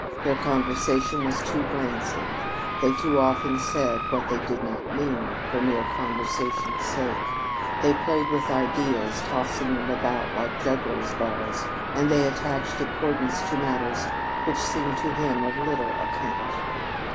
Their conversation was too glancing; they too often said what they did not mean, for mere conversation's sake; they played with ideas, tossing them about like juggler's balls; and they attached importance to matters which seemed to him of little account.